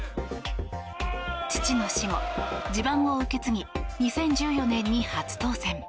父の死後、地盤を受け継ぎ２０１４年に初当選。